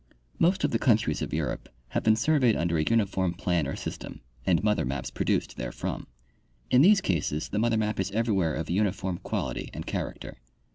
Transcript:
Most of the countries of Europe have been surveyed under a uniform plan or system and mother maps produced therefrom. In these cases the mother map is everywhere of uniform quality and character.